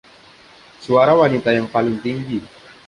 Suara wanita yang paling tinggi